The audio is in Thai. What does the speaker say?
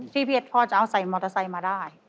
ที่พี่แอศพ่อเอาใส่มอเตอร์ไซต์มาได้